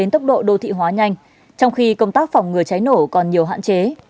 trong khi công tác phòng ngừa cháy nổ còn nhiều hạn chế